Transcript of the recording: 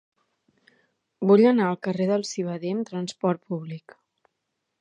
Vull anar al carrer del Civader amb trasport públic.